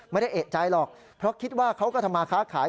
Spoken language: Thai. ไม่ได้เอกใจหรอกเพราะคิดว่าเขาก็ทำมาค้าขาย